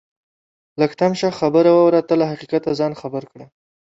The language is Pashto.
لږ تم شه خبره واوره ته له حقیقته ځان خبر کړه